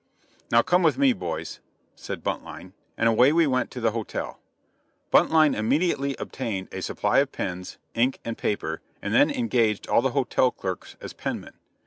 "Now, come with me boys," said Buntline; and away we went to the hotel. Buntline immediately obtained a supply of pens, ink and paper, and then engaged all the hotel clerks as penmen.